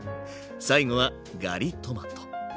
最後はガリトマト。